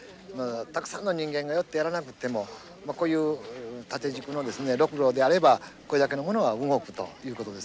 たくさんの人間が寄ってやらなくてもこういう縦軸のですねロクロであればこれだけのものは動くということですね。